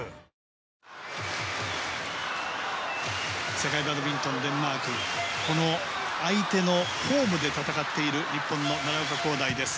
世界バドミントンデンマーク相手のホームで戦っている日本の奈良岡功大です。